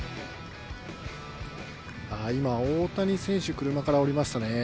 今、大谷選手、車から降りましたね。